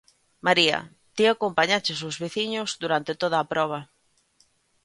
María, ti acompañaches os veciños durante toda a proba.